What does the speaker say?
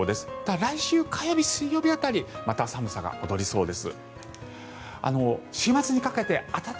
来週、火曜日、水曜日辺りまた寒さが戻りそうです。